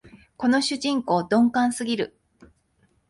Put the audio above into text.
この主人公、鈍感すぎる